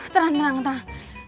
tenang tenang tenang